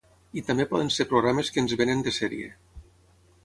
I també poden ser programes que ens venen de sèrie